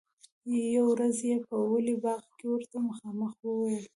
یوه ورځ یې په ولي باغ کې ورته مخامخ وویل.